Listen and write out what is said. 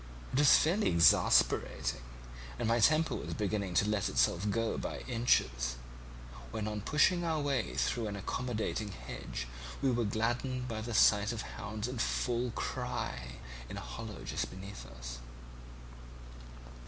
It was fairly exasperating, and my temper was beginning to let itself go by inches, when on pushing our way through an accommodating hedge we were gladdened by the sight of hounds in full cry in a hollow just beneath us.